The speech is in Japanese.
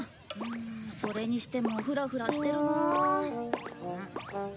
それにしてもフラフラしてるなあ。